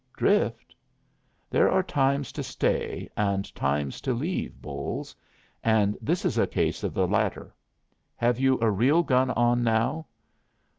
"Drift?" "There are times to stay and times to leave, Bolles; and this is a case of the latter. Have you a real gun on now?"